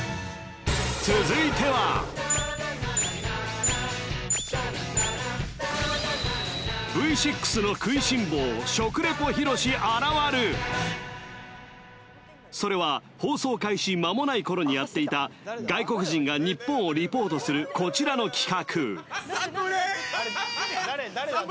続いてはそれは放送開始間もない頃にやっていた外国人が日本をリポートするこちらの企画！